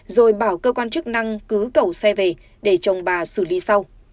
rồi bảo cơ quan chức năng cứ cầu xe về để trồng bà xử lý sau